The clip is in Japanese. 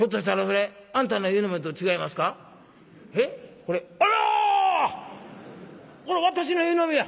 これ私の湯飲みや。